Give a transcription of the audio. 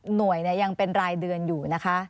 หน่วยยังเป็นรายเดือนอยู่นะคะ